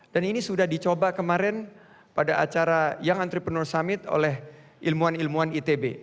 dan ini sudah dicoba kemarin pada acara young entrepreneur summit oleh ilmuwan ilmuwan itb